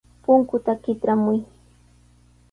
Punkuta kitramuy.